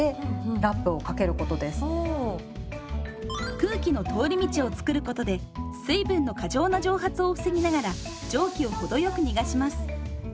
空気の通り道を作ることで水分の過剰な蒸発を防ぎながら蒸気を程よく逃がします。